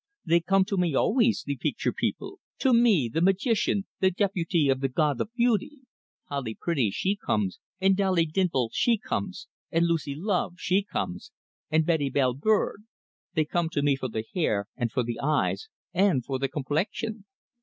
"They come to me always, the peecture people; to me. The magician, the deputee of the god of beautee. Polly Pretty, she comes, and Dolly Dimple, she comes, and Lucy Love, she comes, and Betty Belle Bird. They come to me for the hair, and for the eyes, and for the complexion.